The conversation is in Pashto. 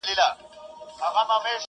تر څو به نوي جوړوو زاړه ښارونه سوځو؟؛